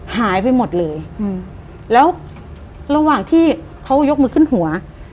หายไปหมดเลยแล้วระหว่างที่เขายกมือขึ้นหัว